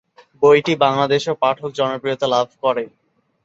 বইটি বাংলাদেশেও পাঠক জনপ্রিয়তা লাভ করে।